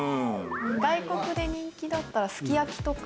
外国で人気だったらすき焼きとか？